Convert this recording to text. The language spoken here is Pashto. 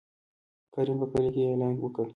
کريم په کلي کې يې اعلان وکړ.